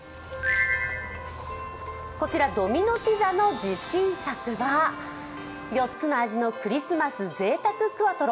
こちらドミノ・ピザの自信作は４つの味のクリスマスぜいたくクワトロ。